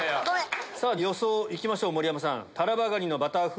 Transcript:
さぁ予想いきましょう盛山さん。